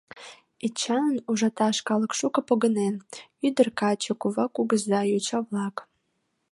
Эчаным ужаташ калык шуко погынен: ӱдыр-каче, кува-кугыза, йоча-влак.